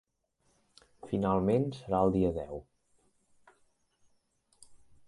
Finalment serà el dia deu.